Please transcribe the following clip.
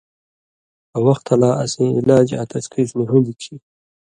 کہ وختہ لا اسیں علاج آں تشخیص نی ہُون٘دیۡ کھیں